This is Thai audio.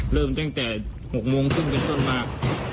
เริ่มตั้งแต่๖โมงครึ่งเป็นต้นมาก